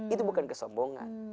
itu bukan kesombongan